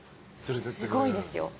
すごいですよ。